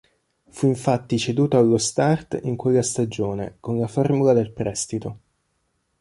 Fu infatti ceduto allo Start in quella stagione, con la formula del prestito.